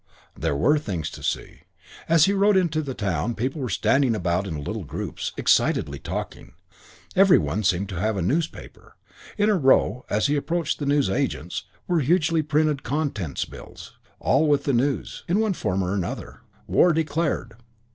There were things to see. As he rode into the town people were standing about in little groups, excitedly talking; every one seemed to have a newspaper. In a row, as he approached the news agent's, were hugely printed contents bills, all with the news, in one form or another, "War Declared."